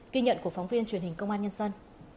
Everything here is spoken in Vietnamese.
ghi nhận của phóng viên truyền hình công an nhân dân